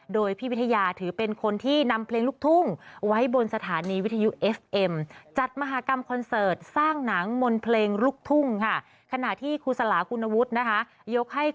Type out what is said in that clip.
โดยพี่วิทยาถือเป็นคนที่นำเพลงลุกทุ่ง